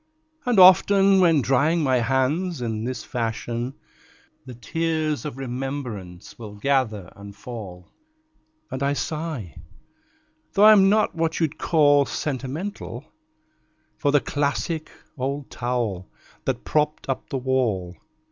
And often, when drying my hands in this fashion, The tears of remembrance will gather and fall, And I sigh (though I'm not what you'd call sentimental) For the classic old towel that propped up the wall.